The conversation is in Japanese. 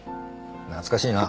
懐かしいな。